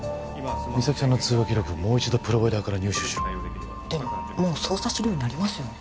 実咲さんの通話記録をもう一度プロバイダーから入手しろでももう捜査資料にありますよね